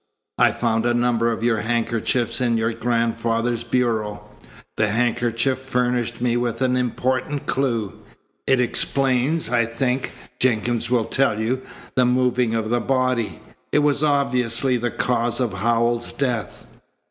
I found a number of your handkerchiefs in your grandfather's bureau. The handkerchief furnished me with an important clue. It explains, I think, Jenkins will tell you, the moving of the body. It was obviously the cause of Howells's death."